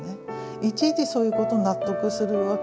いちいちそういうこと納得するわけですよ。